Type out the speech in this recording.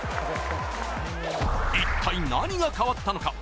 一体何が変わったのか？